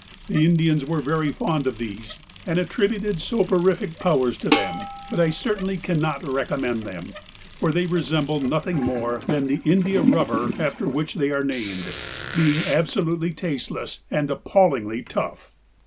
The Indians are very fond of these and attribute soporific powers to them, but I certainly cannot recommend them, for they resemble nothing more than the indiarubber after which they are named, being absolutely tasteless and appallingly tough.